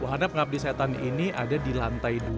wahana pengabdi setan ini ada di lantai dua